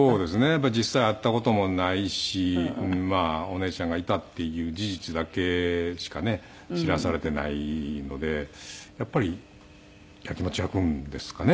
やっぱり実際会った事もないしまあお姉ちゃんがいたっていう事実だけしかね知らされていないのでやっぱりやきもち焼くんですかね。